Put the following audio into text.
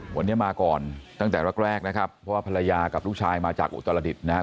วันนี้มาก่อนตั้งแต่แรกแรกนะครับเพราะว่าภรรยากับลูกชายมาจากอุตรดิษฐ์นะครับ